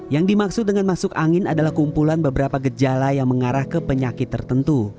yang dimaksud dengan masuk angin adalah kumpulan beberapa gejala yang mengarah ke penyakit tertentu